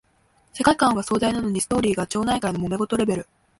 世界観は壮大なのにストーリーが町内会のもめ事レベル